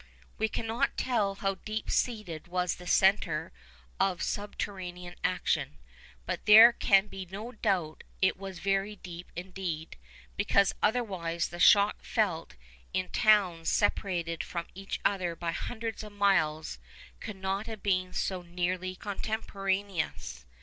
We cannot tell how deep seated was the centre of subterranean action; but there can be no doubt it was very deep indeed, because otherwise the shock felt in towns separated from each other by hundreds of miles could not have been so nearly contemporaneous.